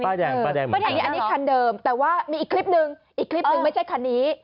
ป้ายแรงเหมือนกัน